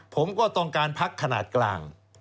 ผมก็ต้องการพักขนาดกลาง